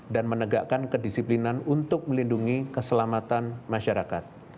dan menegakkan kedisiplinan untuk melindungi keselamatan masyarakat